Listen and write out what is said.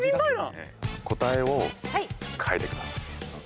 答えを書いてください。